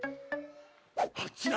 あっちだ。